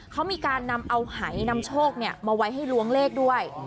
เขามีการนำเอาหายนำโชคมาไว้ให้ล้วงเลขด้วย